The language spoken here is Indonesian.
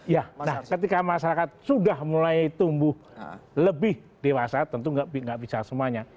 ya nah ketika masyarakat sudah mulai tumbuh lebih dewasa tentu tidak bisa semuanya